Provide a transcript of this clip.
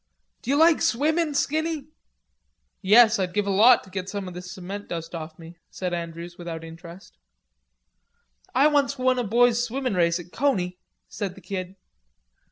"D'you like swimmin', Skinny?" "Yes. I'd give a lot to get some of this cement dust off me," said Andrews, without interest. "I once won a boy's swimmin' race at Coney," said the Kid.